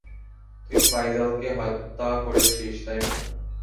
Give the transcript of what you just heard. তুই ফাইজালকে হত্যা করেছিস, তাই না!